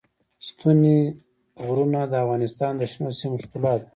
ستوني غرونه د افغانستان د شنو سیمو ښکلا ده.